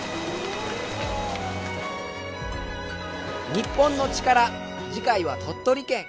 『日本のチカラ』次回は鳥取県。